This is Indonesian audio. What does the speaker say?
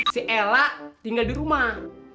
si ella tinggal di rumah